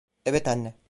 Evet anne.